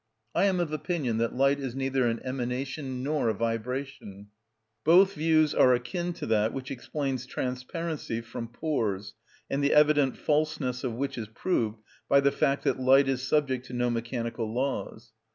I am of opinion that light is neither an emanation nor a vibration; both views are akin to that which explains transparency from pores and the evident falseness of which is proved by the fact that light is subject to no mechanical laws.